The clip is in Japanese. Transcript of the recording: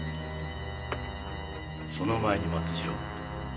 その前に松次郎。